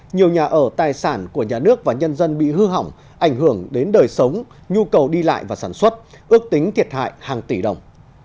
nhiều nhà ở tài sản của nhà nước và nhân dân bị hư hỏng ảnh hưởng đến đời sống nhu cầu đi lại và sản xuất ước tính thiệt hại hàng tỷ đồng